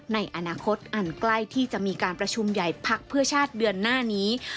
ในอนาคตอันใกล้ที่จะมีการประชุมใหญ่พักเพื่อชาติเดือนหน้านี้